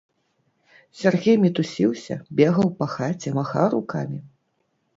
Сяргей мітусіўся, бегаў па хаце, махаў рукамі.